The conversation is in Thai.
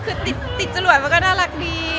คือติดจรวดมันก็น่ารักดี